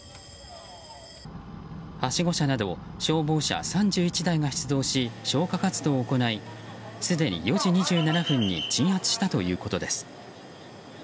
はしご車など消防車３１台が出動し消火活動を行いすでに、４時２７分に鎮圧したということです。